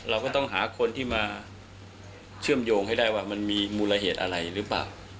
เราก็ต้องหาคนที่มาเชื่อมโยงให้ได้ว่ามันมีมูลเหตุอะไรหรือเปล่า